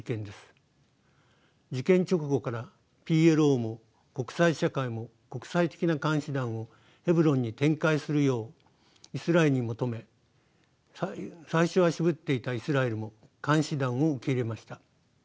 事件直後からＰＬＯも国際社会も国際的な監視団をヘブロンに展開するようイスラエルに求め最初は渋っていたイスラエルも監視団を受け入れました。